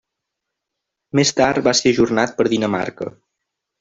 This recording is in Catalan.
Més tard va ser ajornat per Dinamarca.